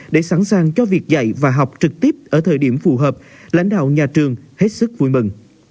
để sẵn sàng cho việc dạy và học trực tiếp ở thời điểm phù hợp lãnh đạo nhà trường hết sức vui mừng